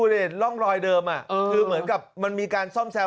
เหมือนมีการซ่อมแซม